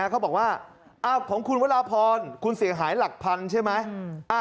เขาบอกว่าของคุณวราพรคุณเสียหายหลักพันใช่ไหม